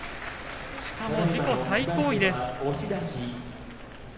しかも自己最高位です。